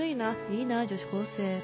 いいな女子高生。